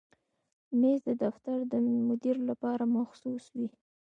مېز د دفتر د مدیر لپاره مخصوص وي.